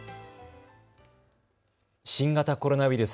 新型コロナウイルス。